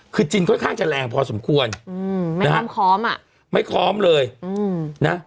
คือจีนค่อนข้างจะแรงพอสมควรอืมน้ำค้อมอ่ะไม่ค้อมเลยอืมนะ